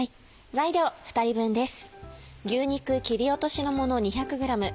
材料２人分です。